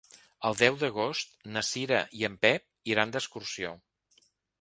El deu d'agost na Cira i en Pep iran d'excursió.